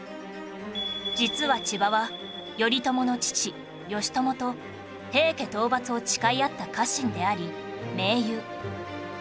実は千葉は頼朝の父義朝と平家討伐を誓い合った家臣であり盟友